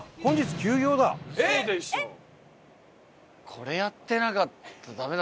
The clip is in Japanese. これやってなかったら。